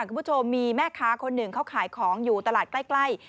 คุณผู้ชมมีแม่ค้าคนหนึ่งเขาขายของอยู่ตลาดใกล้